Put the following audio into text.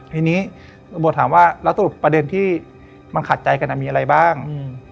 ทีนี้ตำรวจถามว่าแล้วสรุปประเด็นที่มันขาดใจกันมีอะไรบ้าง